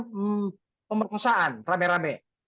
seperti pemeriksaan rame rame